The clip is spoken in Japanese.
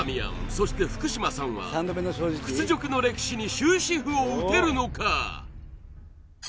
そして福島さんは屈辱の歴史に終止符を打てるのか